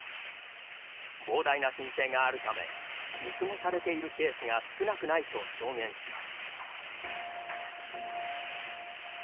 膨大な申請があるため見過ごされているケースが少なくないと証言します。